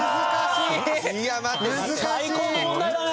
最高の問題だね！